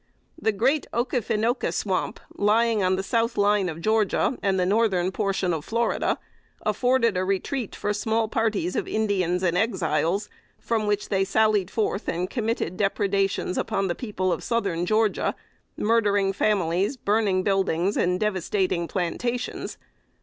The Great Okefenoka Swamp, lying on the south line of Georgia and the northern portion of Florida, afforded a retreat for small parties of Indians and Exiles, from which they sallied forth and committed depredations upon the people of southern Georgia, murdering families, burning buildings and devastating plantations.